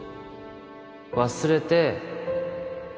忘れて